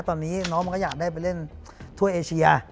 ตอนนี้น้องมันก็อยากได้ไปเล่นถ้วยเอเชีย